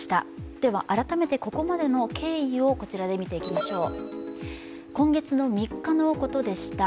では改めてここまでの経緯をみていきましょう。